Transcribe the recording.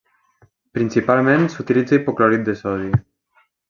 Principalment s'utilitza hipoclorit de sodi.